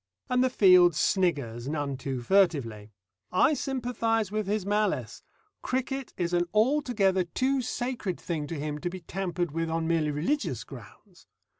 And the field sniggers none too furtively. I sympathise with his malice. Cricket is an altogether too sacred thing to him to be tampered with on merely religious grounds.